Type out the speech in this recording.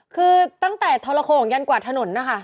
คือตั้งแต่ทรโข่งยันกว่าถนนนะคะ